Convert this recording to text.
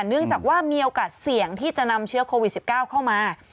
เนื่องจากว่ามีโอกาสเสี่ยงที่จะนำเชื้อโควิด๑๙เข้ามา